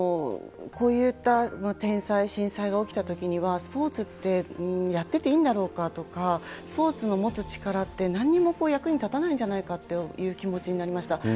こういった天災、震災が起きたときには、スポーツってやってていいんだろうかとか、スポーツの持つ力って、なんにも役に立たないんじゃないかという気持ちになりました。